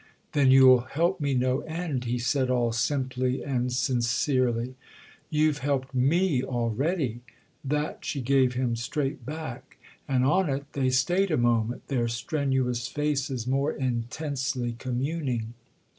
"Then you'll help me no end," he said all simply and sincerely. "You've helped me already"—that she gave him straight back. And on it they stayed a moment, their strenuous faces more intensely communing.